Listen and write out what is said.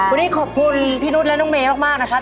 วันนี้ขอบคุณพี่นุษย์และน้องเมย์มากนะครับ